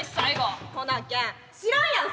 ほなけん知らんやん